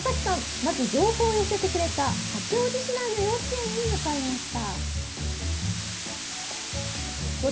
まず、情報を寄せてくれた八王子市内の幼稚園に向かいました。